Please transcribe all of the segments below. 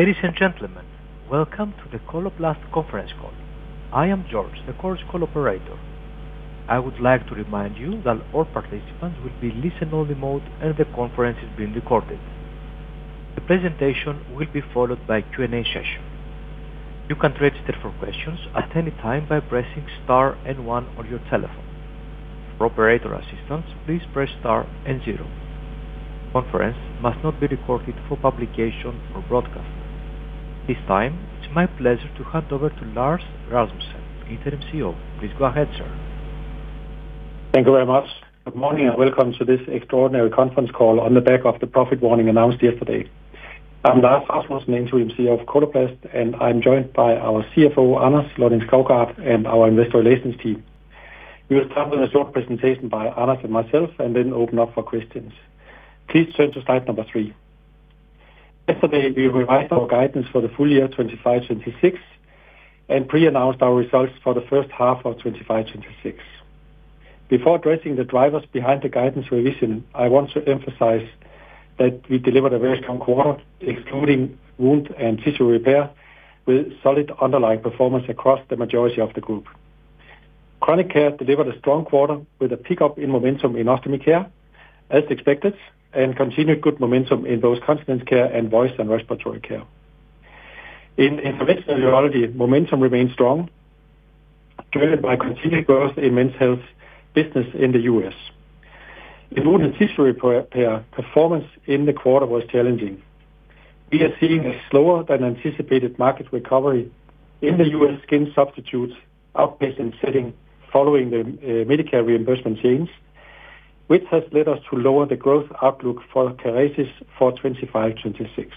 Ladies and gentlemen, welcome to the Coloplast conference call. I am George, the Chorus Call operator. I would like to remind you that all participants will be in listen-only mode and the conference is being recorded. The presentation will be followed by a Q&A session. You can register for questions at any time by pressing star and one on your telephone. For operator assistance, please press star and zero. The conference must not be recorded for publication or broadcast. This time, it's my pleasure to hand over to Lars Rasmussen, Interim CEO. Please go ahead, sir. Thank you very much. Good morning and welcome to this extraordinary conference call on the back of the profit warning announced yesterday. I'm Lars Rasmussen, Interim CEO of Coloplast, and I'm joined by our CFO, Anders Lonning-Skovgaard, and our investor relations team. We will start with a short presentation by Anders and myself and then open up for questions. Please turn to slide number three. Yesterday, we revised our guidance for the full year 2025/2026 and pre-announced our results for the first half of 2025/2026. Before addressing the drivers behind the guidance revision, I want to emphasize that we delivered a very strong quarter, excluding Wound & Tissue Repair, with solid underlying performance across the majority of the group. Chronic Care delivered a strong quarter with a pickup in momentum in Ostomy Care, as expected, and continued good momentum in both Continence Care and Voice and Respiratory Care. In Interventional Urology, momentum remained strong, driven by continued growth in Men's Health business in the U.S. In Wound & Tissue Repair, performance in the quarter was challenging. We are seeing a slower-than-anticipated market recovery in the U.S. skin substitutes outpatient setting following the Medicare reimbursement change, which has led us to lower the growth outlook for Kerecis for 2025/2026.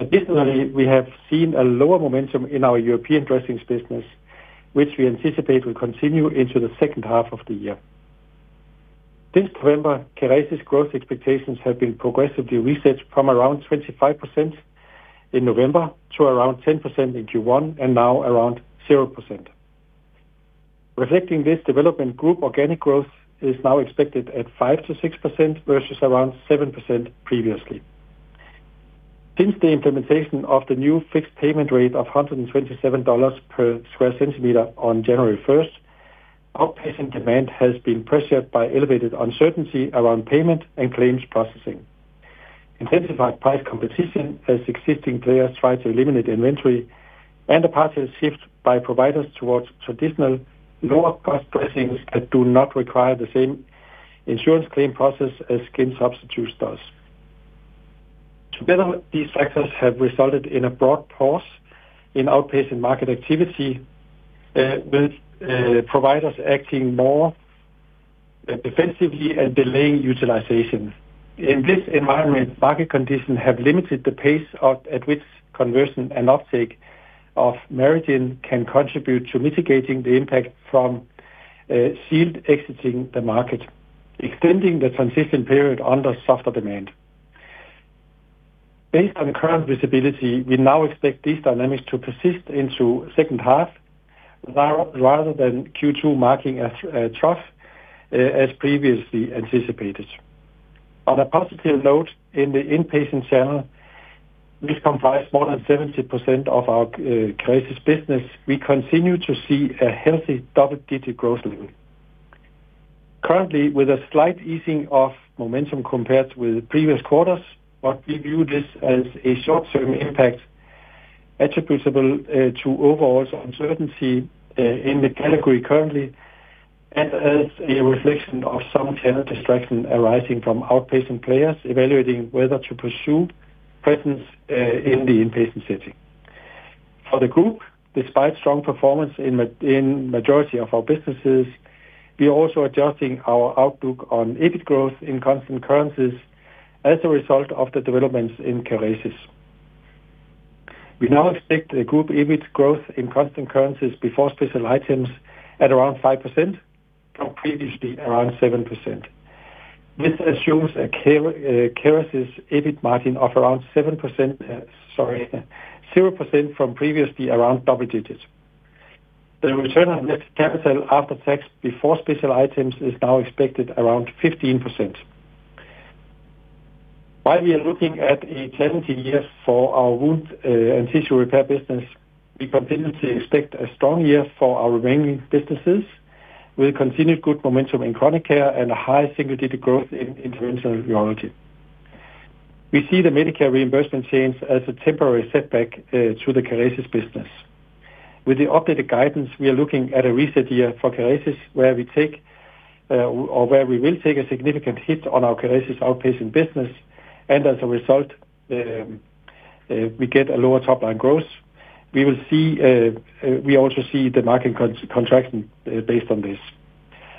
Additionally, we have seen a lower momentum in our European dressings business, which we anticipate will continue into the second half of the year. Since November, Kerecis growth expectations have been progressively reset from around 25% in November to around 10% in Q1, and now around 0%. Reflecting this development, group organic growth is now expected at 5%-6% versus around 7% previously. Since the implementation of the new fixed payment rate of $127 per square centimeter on January 1st, outpatient demand has been pressured by elevated uncertainty around payment and claims processing, intensified price competition as existing players try to eliminate inventory, and a partial shift by providers towards traditional lower-cost dressings that do not require the same insurance claim process as skin substitutes does. Together, these factors have resulted in a broad pause in outpatient market activity, with providers acting more defensively and delaying utilization. In this environment, market conditions have limited the pace at which conversion and uptake of MariGen can contribute to mitigating the impact from Shield exiting the market, extending the transition period under softer demand. Based on current visibility, we now expect these dynamics to persist into second half rather than Q2 marking a trough as previously anticipated. On a positive note, in the inpatient channel, which comprise more than 70% of our Kerecis business, we continue to see a healthy double-digit growth rate. Currently, with a slight easing of momentum compared with previous quarters, but we view this as a short-term impact attributable to overall uncertainty in the category currently and as a reflection of some channel distraction arising from outpatient players evaluating whether to pursue presence in the inpatient setting. For the group, despite strong performance in majority of our businesses, we are also adjusting our outlook on EBIT growth in constant currencies as a result of the developments in Kerecis. We now expect a group EBIT growth in constant currencies before special items at around 5%, from previously around 7%. This assumes a Kerecis EBIT margin of around 7%, sorry, 0% from previously around double digits. The return on net capital after tax before special items is now expected around 15%. While we are looking at a challenging year for our Wound & Tissue Repair business, we continue to expect a strong year for our remaining businesses, with continued good momentum in Chronic Care and a high single-digit growth in Interventional Urology. We see the Medicare reimbursement change as a temporary setback to the Kerecis business. With the updated guidance, we are looking at a reset year for Kerecis, where we will take a significant hit on our Kerecis outpatient business. As a result, we get a lower top-line growth. We also see the market contracting based on this.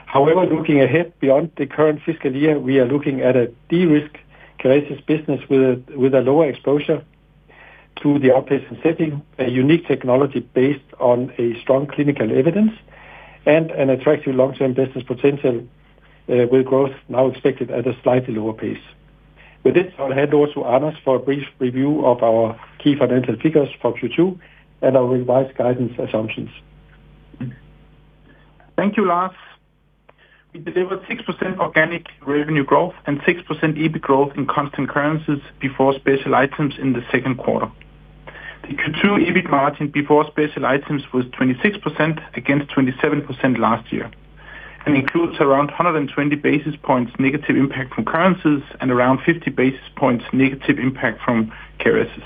However, looking ahead beyond the current fiscal year, we are looking at a de-risk Kerecis business with a lower exposure to the outpatient setting, a unique technology based on a strong clinical evidence and an attractive long-term business potential with growth now expected at a slightly lower pace. With this, I'll hand over to Anders for a brief review of our key financial figures for Q2 and our revised guidance assumptions. Thank you, Lars. We delivered 6% organic revenue growth and 6% EBIT growth in constant currencies before special items in the second quarter. The Q2 EBIT margin before special items was 26% against 27% last year, and includes around 120 basis points negative impact from currencies and around 50 basis points negative impact from Kerecis.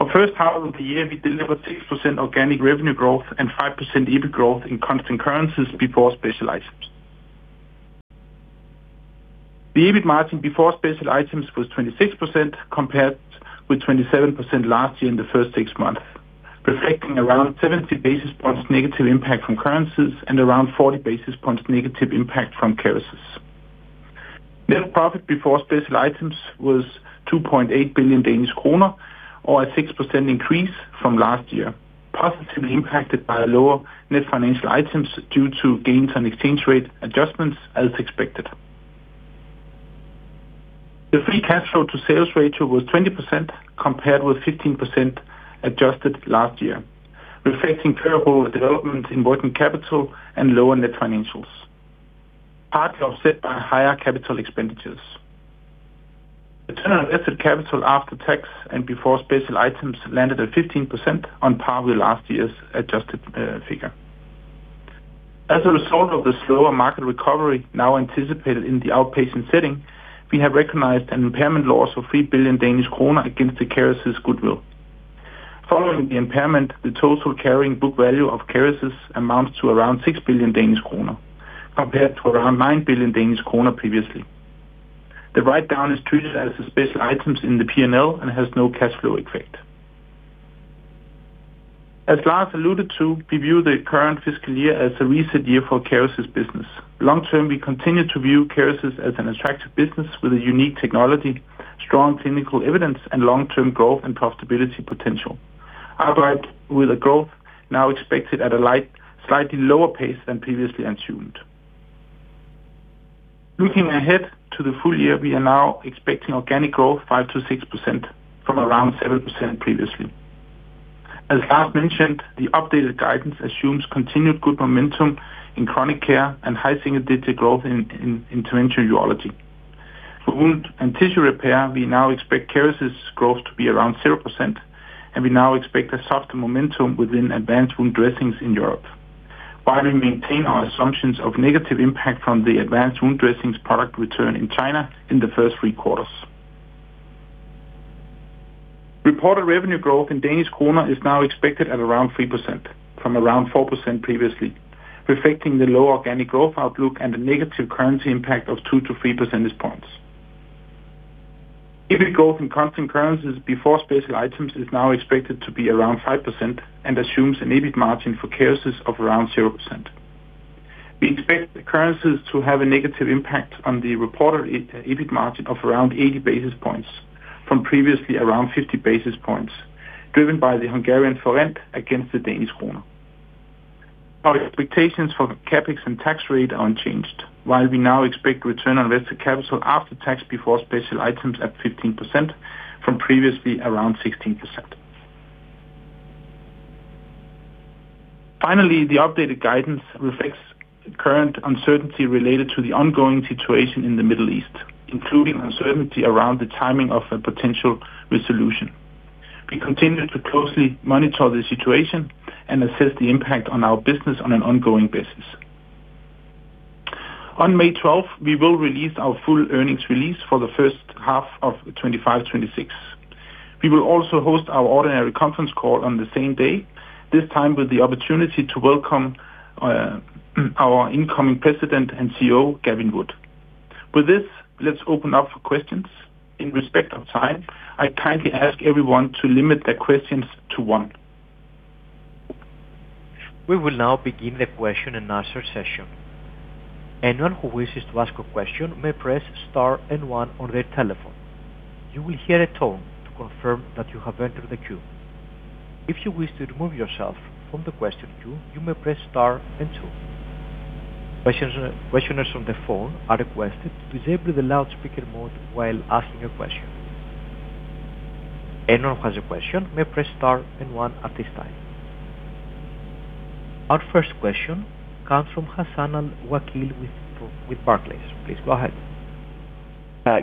For the first half of the year, we delivered 6% organic revenue growth and 5% EBIT growth in constant currencies before special items. The EBIT margin before special items was 26% compared with 27% last year in the first six months, reflecting around 70 basis points negative impact from currencies and around 40 basis points negative impact from Kerecis. Net profit before special items was 2.8 billion Danish kroner or a 6% increase from last year, positively impacted by lower net financial items due to gains on exchange rate adjustments as expected. The free cash flow-to-sales ratio was 20% compared with 15% adjusted last year, reflecting favorable developments in working capital and lower net financials, partly offset by higher CapEx. Return on invested capital after tax and before special items landed at 15% on par with last year's adjusted figure. As a result of the slower market recovery now anticipated in the outpatient setting, we have recognized an impairment loss of 3 billion Danish kroner against the Kerecis goodwill. Following the impairment, the total carrying book value of Kerecis amounts to around 6 billion Danish kroner, compared to around 9 billion Danish kroner previously. The write-down is treated as special items in the P&L and has no cash flow effect. As Lars alluded to, we view the current fiscal year as a reset year for Kerecis business. Long term, we continue to view Kerecis as an attractive business with a unique technology, strong clinical evidence, and long-term growth and profitability potential, outright with a growth now expected at a slightly lower pace than previously assumed. Looking ahead to the full year, we are now expecting organic growth 5%-6% from around 7% previously. As Lars mentioned, the updated guidance assumes continued good momentum in Chronic Care and high single-digit growth in Interventional Urology. For Wound & Tissue Repair, we now expect Kerecis growth to be around 0%, and we now expect a softer momentum within Advanced Wound Dressings in Europe, while we maintain our assumptions of negative impact from the Advanced Wound Dressings product return in China in the first three quarters. Reported revenue growth in Danish kroner is now expected at around 3%, from around 4% previously, reflecting the lower organic growth outlook and a negative currency impact of 2-3 percentage points. EBIT growth in constant currencies before special items is now expected to be around 5% and assumes an EBIT margin for Kerecis of around 0%. We expect the currencies to have a negative impact on the reported EBIT margin of around 80 basis points from previously around 50 basis points, driven by the Hungarian forint against the Danish kroner. Our expectations for CapEx and tax rate are unchanged, while we now expect return on invested capital after tax before special items at 15% from previously around 16%. Finally, the updated guidance reflects the current uncertainty related to the ongoing situation in the Middle East, including uncertainty around the timing of a potential resolution. We continue to closely monitor the situation and assess the impact on our business on an ongoing basis. On May 12th, we will release our full earnings release for the first half of 2025/26. We will also host our ordinary conference call on the same day, this time with the opportunity to welcome our incoming President and CEO, Gavin Wood. With this, let's open up for questions. In respect of time, I kindly ask everyone to limit their questions to one. We will now begin the question-and-answer session. Anyone who wishes to ask a question may press star and one on their telephone. You will hear a tone to confirm that you have entered the queue. If you wish to remove yourself from the question queue, you may press star and two. Questioners on the phone are requested to disable the loudspeaker mode while asking a question. Anyone who has a question may press star and one at this time. Our first question comes from Hassan Al-Wakeel with Barclays. Please go ahead.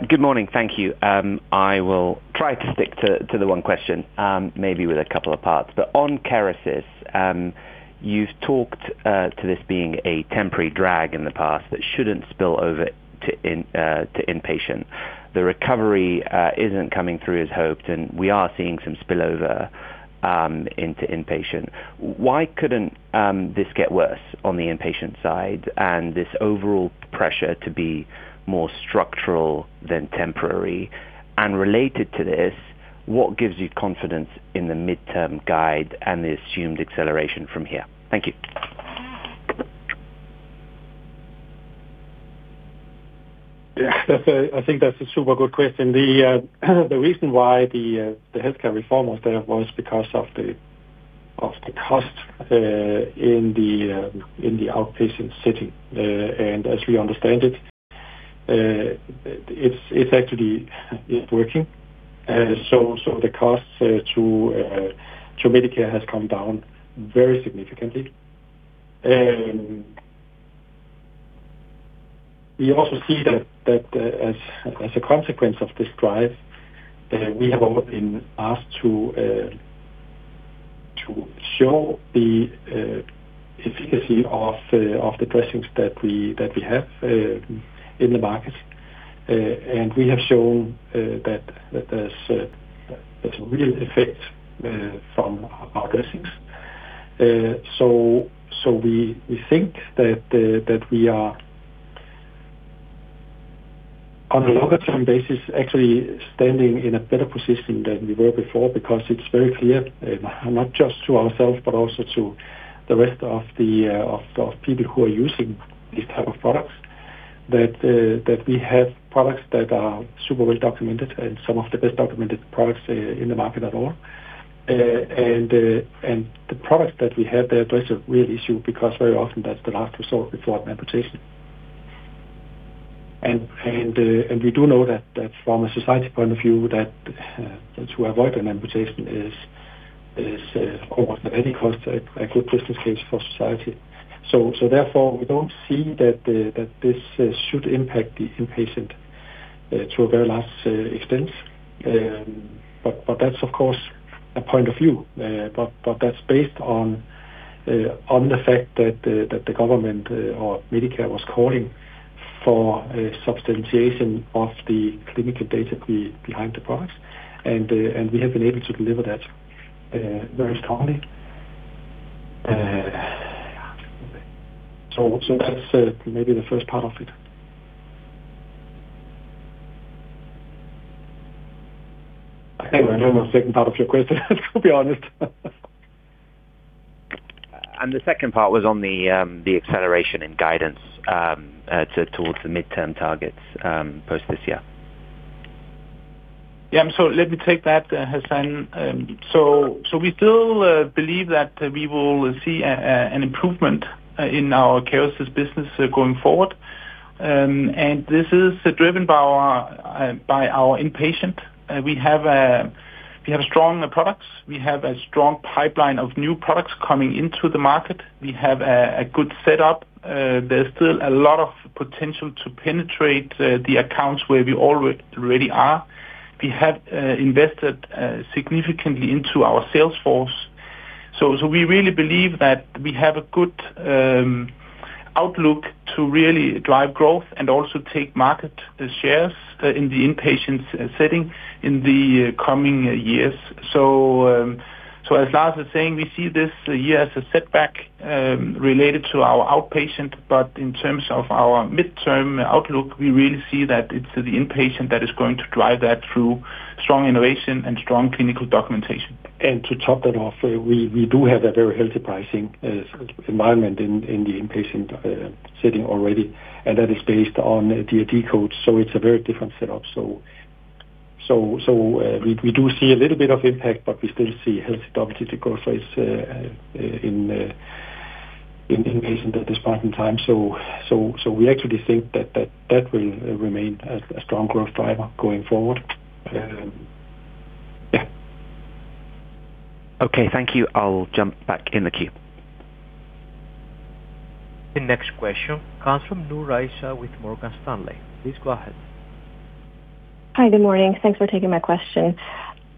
Good morning. Thank you. I will try to stick to the one question, maybe with a couple of parts. On Kerecis, you've talked to this being a temporary drag in the past that shouldn't spill over to inpatient. The recovery isn't coming through as hoped, and we are seeing some spillover into inpatient. Why couldn't this get worse on the inpatient side and this overall pressure to be more structural than temporary? Related to this, what gives you confidence in the midterm guide and the assumed acceleration from here? Thank you. Yeah. I think that's a super good question. The reason why the healthcare reform was there was because of the cost in the outpatient setting. As we understand it's actually working. The costs to Medicare has come down very significantly. We also see that as a consequence of this drive, we have all been asked to show the efficacy of the dressings that we have in the market. We have shown that there's a real effect from our dressings. We think that we are, on a longer-term basis, actually standing in a better position than we were before because it's very clear, not just to ourselves, but also to the rest of the people who are using these type of products, that we have products that are super well documented and some of the best documented products in the market at all. The products that we have there address a real issue because very often that's the last resort before amputation. We do know that from a society point of view, that to avoid an amputation is over the medical cost, a good business case for society. Therefore, we don't see that this should impact the inpatient to a very large extent. That's of course a point of view. That's based on the fact that the government or Medicare was calling for a substantiation of the clinical data behind the products, and we have been able to deliver that very strongly. That's maybe the first part of it. I don't remember the second part of your question, to be honest. The second part was on the acceleration and guidance towards the midterm targets post this year. Yeah. Let me take that, Hassan. We still believe that we will see an improvement in our Kerecis business going forward. This is driven by our inpatient. We have strong products. We have a strong pipeline of new products coming into the market. We have a good setup. There's still a lot of potential to penetrate the accounts where we already are. We have invested significantly into our sales force. We really believe that we have a good outlook to really drive growth and also take market shares in the inpatient setting in the coming years. As Lars is saying, we see this year as a setback related to our outpatient, but in terms of our midterm outlook, we really see that it's the inpatient that is going to drive that through strong innovation and strong clinical documentation. To top that off, we do have a very healthy pricing environment in the inpatient setting already, and that is based on DRG codes. It's a very different setup. We do see a little bit of impact, but we still see healthy double-digit growth rates in inpatient at this point in time. We actually think that will remain a strong growth driver going forward. Okay, thank you. I'll jump back in the queue. The next question comes from Aisyah Noor with Morgan Stanley. Please go ahead. Hi, good morning. Thanks for taking my question.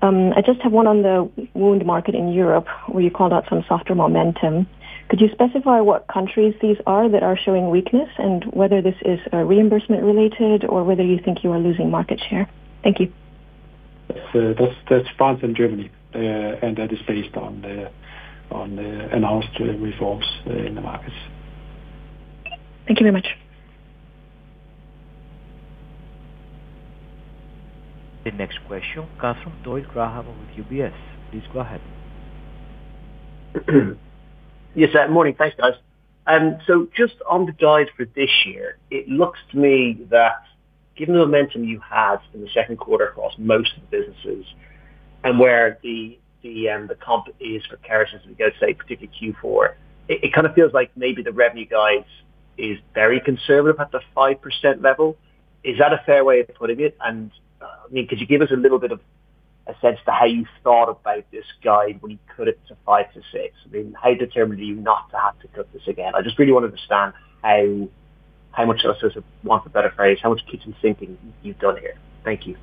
I just have one on the wound market in Europe, where you called out some softer momentum. Could you specify what countries these are that are showing weakness and whether this is reimbursement related or whether you think you are losing market share? Thank you. That's France and Germany, and that is based on the announced reforms in the markets. Thank you very much. The next question comes from Graham Doyle with UBS. Please go ahead. Yes, morning. Thanks, guys. Just on the guide for this year, it looks to me that given the momentum you had in the second quarter across most of the businesses and where the comp is for Kerecis, and I guess particularly Q4, it kind of feels like maybe the revenue guide is very conservative at the 5% level. Is that a fair way of putting it? Could you give us a little bit of a sense as to how you thought about this guide when you cut it to 5%-6%? How determined are you not to have to cut this again? I just really want to understand how much, for want of a better phrase, how much kitchen sinking you've done here. Thank you.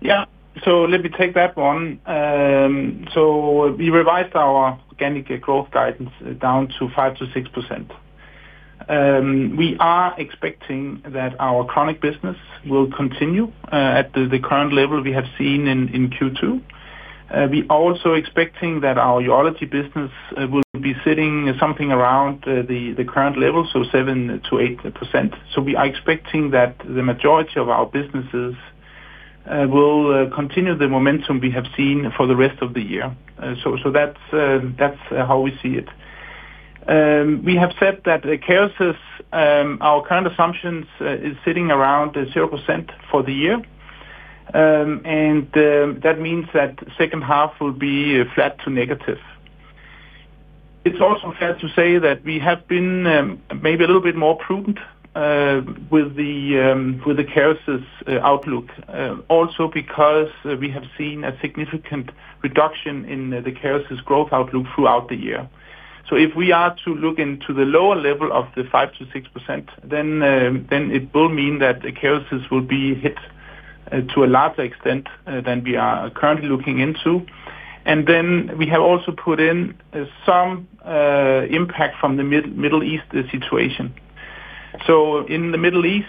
Yeah. Let me take that one. We revised our organic growth guidance down to 5%-6%. We are expecting that our Chronic business will continue at the current level we have seen in Q2. We also expecting that our Urology business will be sitting something around the current level, so 7%-8%. We are expecting that the majority of our businesses will continue the momentum we have seen for the rest of the year. That's how we see it. We have said that at Kerecis our current assumptions is sitting around 0% for the year. That means that second half will be flat to negative. It's also fair to say that we have been maybe a little bit more prudent with the Kerecis outlook. Because we have seen a significant reduction in the Kerecis growth outlook throughout the year. If we are to look into the lower level of the 5%-6%, then it will mean that the Kerecis will be hit to a larger extent than we are currently looking into. We have also put in some impact from the Middle East situation. In the Middle East,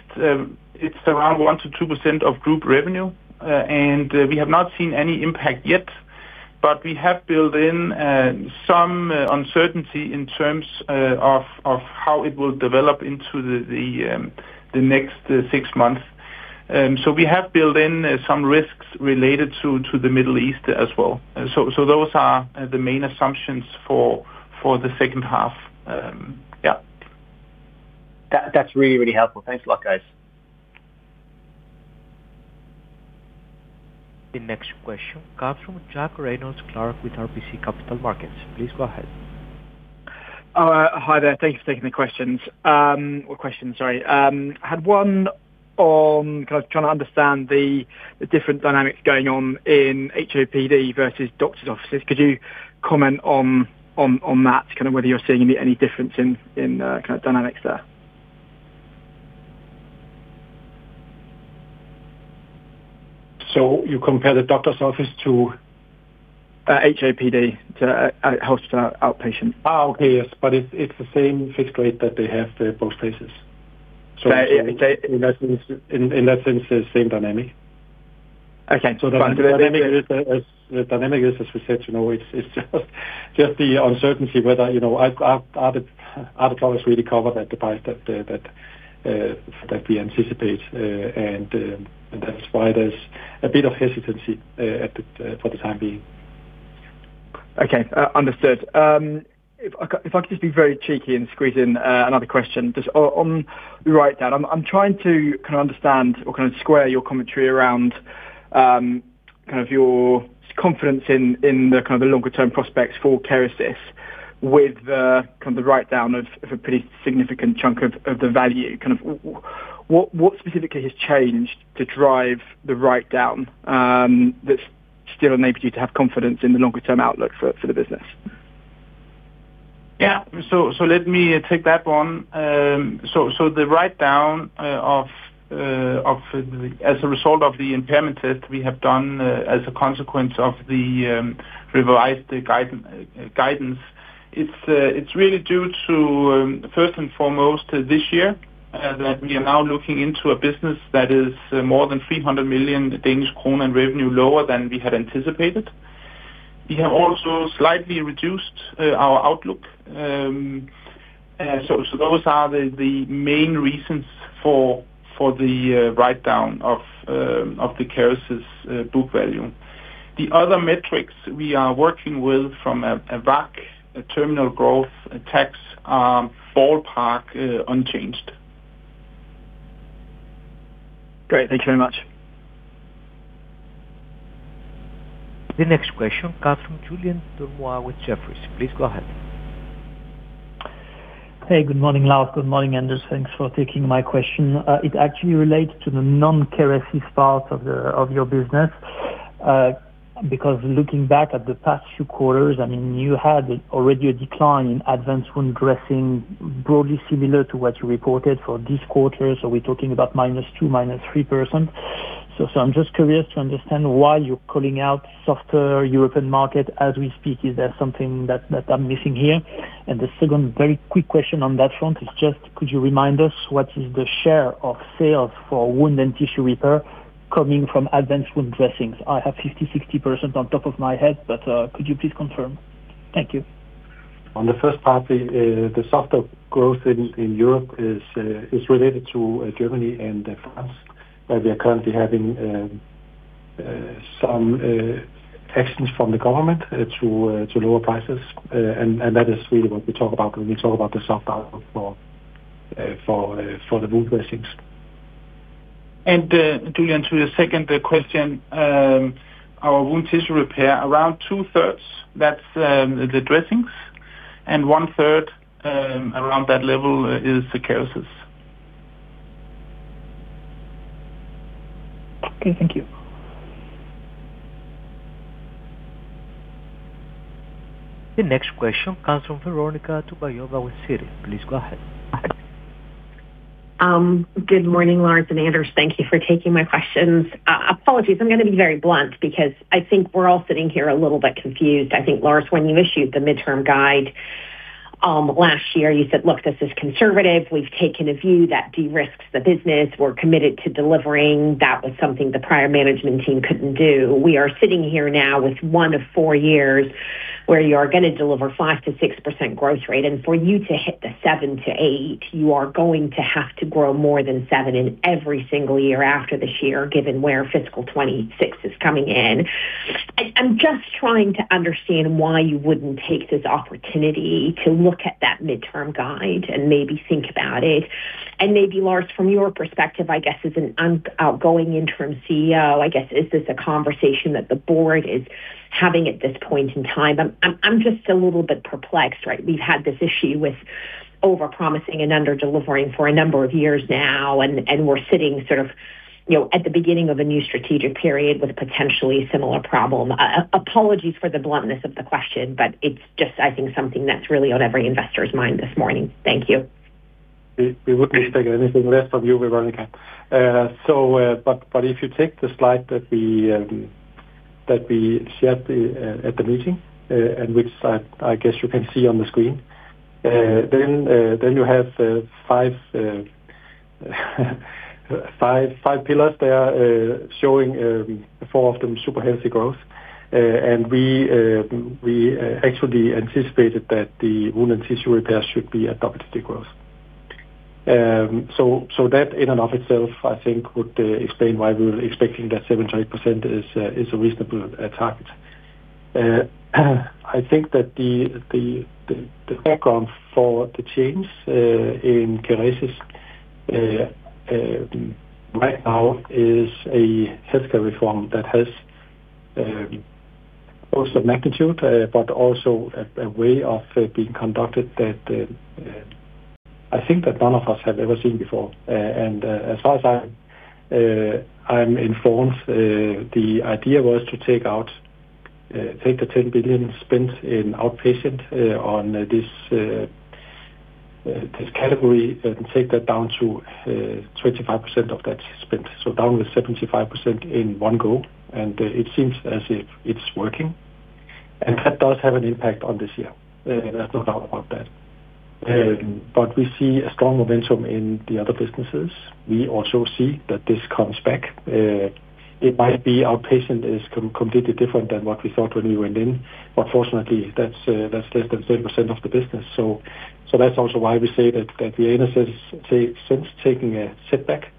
it's around 1%-2% of group revenue. We have not seen any impact yet, but we have built in some uncertainty in terms of how it will develop into the next six months. We have built in some risks related to the Middle East as well. Those are the main assumptions for the second half. Yeah. That's really, really helpful. Thanks a lot, guys. The next question comes from Jack Reynolds-Clark with RBC Capital Markets. Please go ahead. Hi there. Thank you for taking the questions. Had one on, kind of, trying to understand the different dynamics going on in HOPD versus doctor's offices. Could you comment on that, kind of whether you're seeing any difference in dynamics there? You compare the doctor's office to? HOPD to hospital outpatient. Okay. Yes. It's the same fixed rate that they have both places. They— In that sense, they're the same dynamic. Okay. The dynamic is, as we said, you know it's just the uncertainty whether the products are really covered at the price that we anticipate? That's why there's a bit of hesitancy for the time being. Okay, understood. If I could just be very cheeky and squeeze in another question. Just on the write-down, I'm trying to kind of understand or kind of square your commentary around your confidence in the kind of the longer-term prospects for Kerecis with the kind of the write-down of a pretty significant chunk of the value. Kind of what specifically has changed to drive the write-down, that still enables you to have confidence in the longer-term outlook for the business? Yeah. Let me take that one. The write-down as a result of the impairment test we have done as a consequence of the revised guidance is really due to, first and foremost, this year, that we are now looking into a business that is more than 300 million Danish kroner in revenue lower than we had anticipated. We have also slightly reduced our outlook. Those are the main reasons for the write-down of the Kerecis book value. The other metrics we are working with from a WACC, terminal growth, tax, are ballpark unchanged. Great. Thank you very much. The next question comes from Julien Dormois with Jefferies. Please go ahead. Hey, good morning, Lars. Good morning, Anders. Thanks for taking my question. It actually relates to the non-Kerecis part of your business. Because looking back at the past few quarters, I mean, you had already a decline in Advanced Wound Dressing broadly similar to what you reported for this quarter. We're talking about -2%, -3%. I'm just curious to understand why you're calling out softer European market as we speak. Is there something that I'm missing here? And the second very quick question on that front is just could you remind us what is the share of sales for Wound & Tissue Repair coming from Advanced Wound Dressing? I have 50%-60% on top of my head, but could you please confirm? Thank you. On the first part, the softer growth in Europe is related to Germany and France, where we are currently having some actions from the government to lower prices. That is really what we talk about when we talk about the soft outlook for the wound dressings. Julien, to your second question, our Wound & Tissue Repair, around 2/3, that's the dressings, and 1/3 around that level is the Kerecis. Okay. Thank you. The next question comes from Veronika Dubajova with Citi. Please go ahead. Good morning, Lars and Anders. Thank you for taking my questions. Apologies. I'm going to be very blunt because I think we're all sitting here a little bit confused. I think, Lars, when you issued the midterm guide last year, you said, "Look, this is conservative. We've taken a view that de-risks the business. We're committed to delivering. That was something the prior management team couldn't do." We are sitting here now with one of four years where you are going to deliver 5%-6% growth rate. For you to hit the 7%-8%, you are going to have to grow more than 7% in every single year after this year, given where fiscal 2026 is coming in. I'm just trying to understand why you wouldn't take this opportunity to look at that midterm guide and maybe think about it. Maybe, Lars, from your perspective, I guess, as an outgoing Interim CEO, I guess, is this a conversation that the Board is having at this point in time? I'm just a little bit perplexed, right? We've had this issue with over promising and under delivering for a number of years now, and we're sitting sort of at the beginning of a new strategic period with a potentially similar problem. Apologies for the bluntness of the question, but it's just, I think, something that's really on every investor's mind this morning. Thank you. We wouldn't expect anything less from you, Veronika. If you take the slide that we shared at the meeting, and which I guess you can see on the screen, then you have five pillars there, showing four of them super healthy growth. We actually anticipated that the Wound & Tissue Repair should be a double-digit growth. That in and of itself, I think would explain why we were expecting that 7%-8% is a reasonable target. I think that the background for the change in Kerecis right now is a healthcare reform that has both a magnitude but also a way of being conducted that I think that none of us have ever seen before. As far as I'm informed, the idea was to take the 10 billion spent in outpatient on this category and take that down to 25% of that spent. Down to 75% in one go. It seems as if it's working, and that does have an impact on this year. There's no doubt about that. We see a strong momentum in the other businesses. We also see that this comes back. It might be our patient is completely different than what we thought when we went in. Fortunately, that's less than 7% of the business. That's also why we say that we are in a sense, taking a setback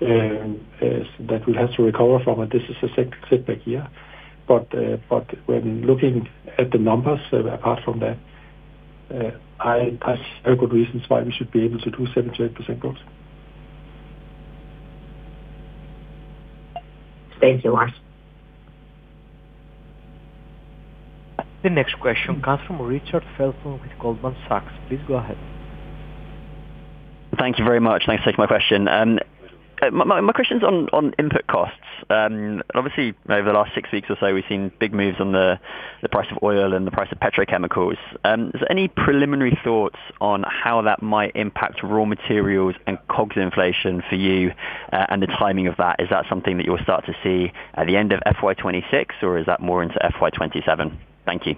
that we have to recover from, and this is a setback year. When looking at the numbers apart from that, I have good reasons why we should be able to do 7%-8% growth. Thank you, Lars. The next question comes from Richard Felton with Goldman Sachs. Please go ahead. Thank you very much. Thanks for taking my question. My question's on input costs. Obviously, over the last six weeks or so, we've seen big moves on the price of oil and the price of petrochemicals. Is there any preliminary thoughts on how that might impact raw materials and COGS inflation for you, and the timing of that? Is that something that you'll start to see at the end of FY 2026 or is that more into FY 2027? Thank you.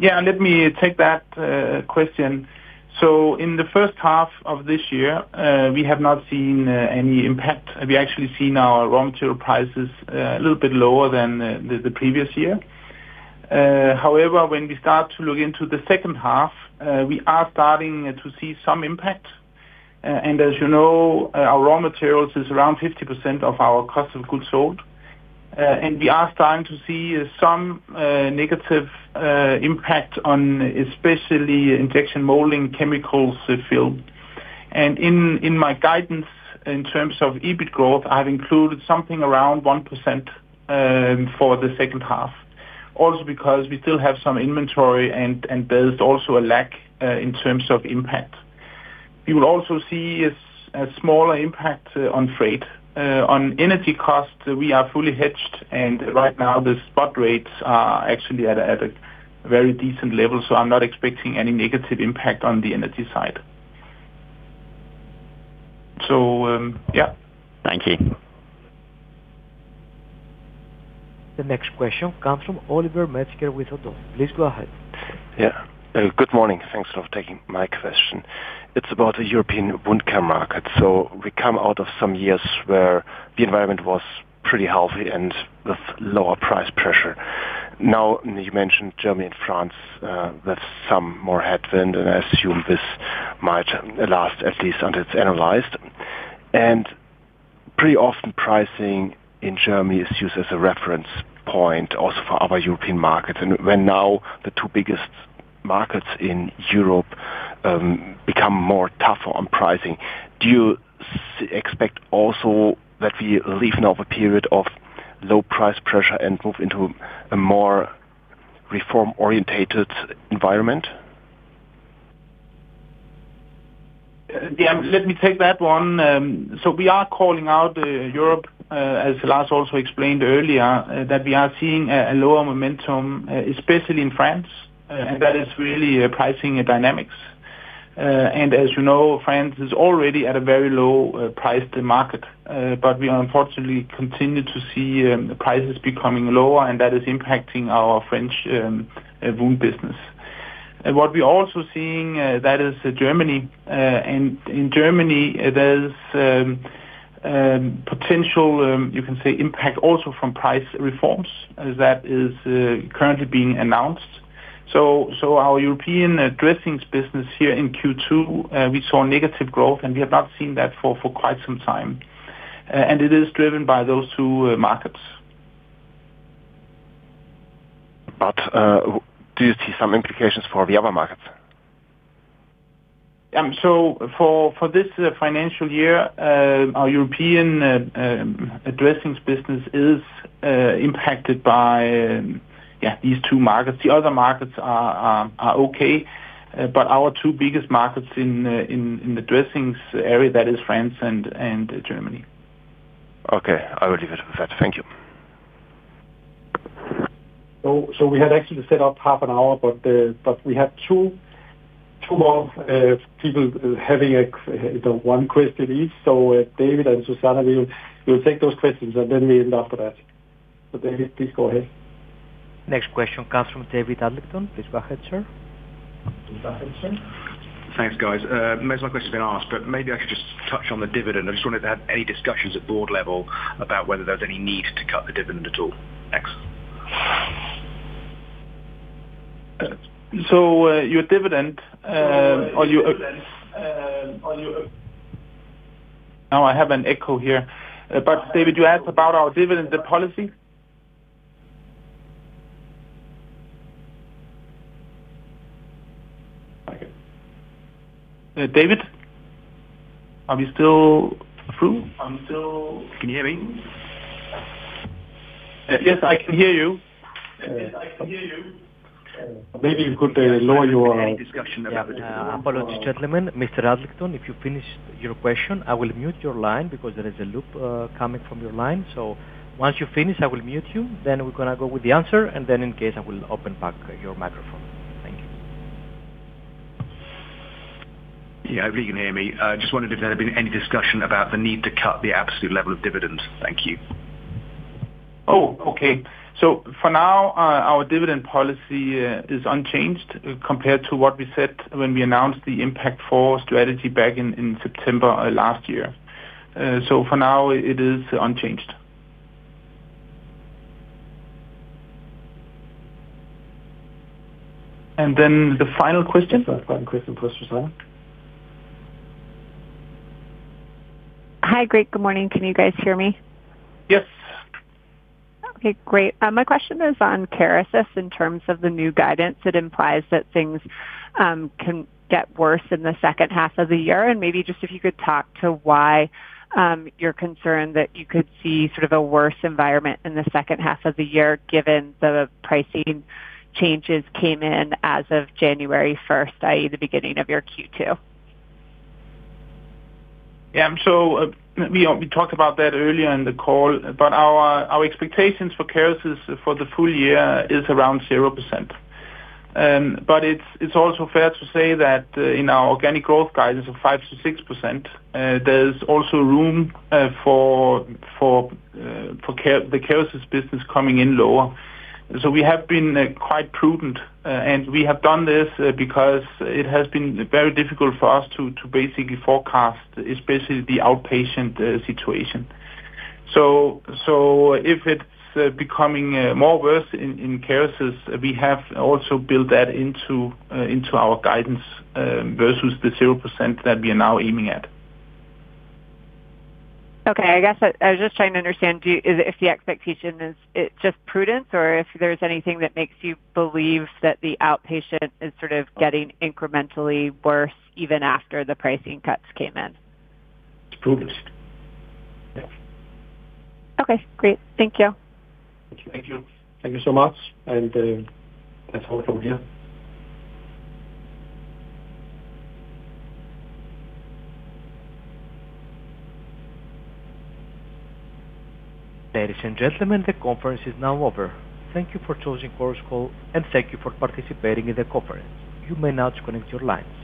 Yeah, let me take that question. In the first half of this year, we have not seen any impact. We actually seen our raw material prices a little bit lower than the previous year. However, when we start to look into the second half, we are starting to see some impact. As you know, our raw materials is around 50% of our cost of goods sold. We are starting to see some negative impact on especially injection molding chemicals field. In my guidance, in terms of EBIT growth, I've included something around 1% for the second half. Also because we still have some inventory and there's also a lack, in terms of impact. We will also see a smaller impact on freight. On energy costs, we are fully hedged, and right now the spot rates are actually at a very decent level, so I'm not expecting any negative impact on the energy side. Yeah. Thank you. The next question comes from Oliver Metzger with Oddo. Please go ahead. Yeah. Good morning. Thanks for taking my question. It's about the European wound care market. We come out of some years where the environment was pretty healthy and with lower price pressure. Now, you mentioned Germany and France, with some more headwind, and I assume this might last at least until it's analyzed. Pretty often pricing in Germany is used as a reference point also for other European markets. When now the two biggest markets in Europe become more tougher on pricing, do you expect also that we leave now a period of low price pressure and move into a more reform-orientated environment? Yeah, let me take that one. We are calling out Europe, as Lars also explained earlier, that we are seeing a lower momentum, especially in France. That is really pricing dynamics. As you know, France is already at a very low-priced market. We unfortunately continue to see prices becoming lower, and that is impacting our French wound business. What we're also seeing, that is Germany. In Germany, there's potential, you can say impact also from price reforms as that is currently being announced. Our European dressings business here in Q2, we saw negative growth, and we have not seen that for quite some time. It is driven by those two markets. Do you see some implications for the other markets? For this financial year, our European dressings business is impacted by these two markets. The other markets are okay, but our two biggest markets in the dressings area, that is France and Germany. Okay. I will leave it at that. Thank you. We had actually set up half an hour, but we have two more people having one question each. David and Susannah, we will take those questions, and then we end after that. David, please go ahead. Next question comes from David Adlington. Please go ahead, sir. Thanks, guys. Most of my question's been asked, maybe I could just touch on the dividend. I just wondered if there had any discussions at board level about whether there was any need to cut the dividend at all. Thanks. Your dividend. Now I have an echo here. David, you asked about our dividend policy? David? Are you still there? Can you hear me? Yes, I can hear you. Maybe you could lower your— Any discussion about the dividend— Apologies, gentlemen. Mr. Adlington, if you finish your question, I will mute your line because there is a loop coming from your line. Once you're finished, I will mute you, then we're going to go with the answer, and then in case I will open back your microphone. Thank you. Yeah, hopefully you can hear me. I just wondered if there had been any discussion about the need to cut the absolute level of dividends. Thank you. Oh, okay. For now, our dividend policy is unchanged compared to what we said when we announced the Impact4 strategy back in September of last year. For now it is unchanged. Then the final question? Last question for Susannah. Hi, great. Good morning. Can you guys hear me? Yes. Okay, great. My question is on Kerecis in terms of the new guidance. It implies that things can get worse in the second half of the year, and maybe just if you could talk to why you're concerned that you could see sort of a worse environment in the second half of the year given the pricing changes came in as of January 1st, i.e., the beginning of your Q2? Yeah, we talked about that earlier in the call, but our expectations for Kerecis for the full year is around 0%. It's also fair to say that in our organic growth guidance of 5%-6%, there's also room for the Kerecis business coming in lower. We have been quite prudent. We have done this because it has been very difficult for us to basically forecast, especially the outpatient situation. If it's becoming more worse in Kerecis, we have also built that into our guidance, versus the 0% that we are now aiming at. Okay. I guess I was just trying to understand if the expectation is it just prudence or if there's anything that makes you believe that the outpatient is sort of getting incrementally worse even after the pricing cuts came in? It's prudence. Okay, great. Thank you. Thank you. Thank you. Thank you so much. That's all from here. Ladies and gentlemen, the conference is now over. Thank you for choosing Chorus Call, and thank you for participating in the conference. You may now disconnect your lines.